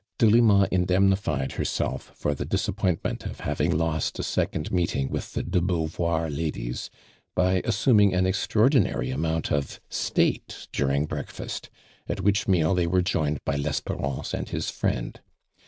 Delima indemnified herself for the disap pointment of having lost a second meeting with the de Beauvoir ladies by assuming an extraordinary amount of state during break fast, at which meal they were joined by Lesperance and his friend.